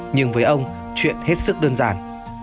nhưng với ông chuyện hết sức đơn giản